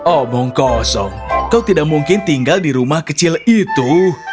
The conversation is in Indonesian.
omong kosong kau tidak mungkin tinggal di rumah kecil itu